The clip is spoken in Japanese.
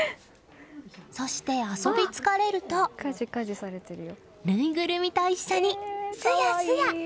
そして、遊び疲れるとぬいぐるみと一緒に、すやすや。